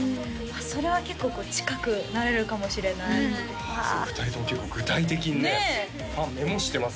それは結構こう近くなれるかもしれない２人とも結構具体的にねファンメモしてます